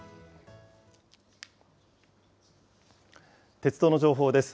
鉄道の情報です。